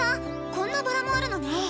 こんなバラもあるのね。